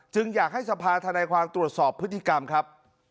อยากให้สภาธนายความตรวจสอบพฤติกรรมครับ